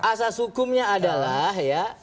asas hukumnya adalah ya